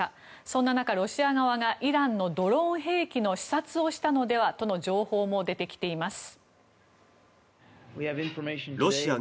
そんな中、ロシア側がイランのドローン兵器の視察をしたのではとの情報も出てきています。